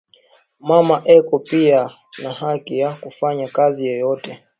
Mama eko piya na haki ya ku fanya kazi yoyote